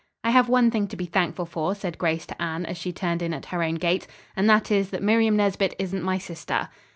"I have one thing to be thankful for," said Grace to Anne, as she turned in at her own gate, "and that is that Miriam Nesbit isn't my sister."